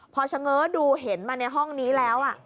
พอเฉง้อดูเห็นมาในห้องนี้แล้ว